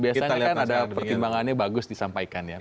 biasanya kan ada pertimbangannya bagus disampaikan ya